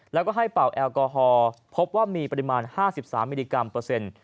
แล้วก็ให้เป่าแอลกอฮอล์พบว่ามีปริมาณ๕๓มิลลิกรัมเปอร์เซ็นต์